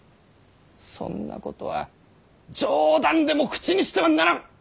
そんなことは冗談でも口にしてはならぬ。